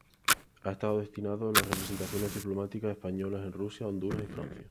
Ha estado destinado en las representaciones diplomáticas españolas en Rusia, Honduras y Francia.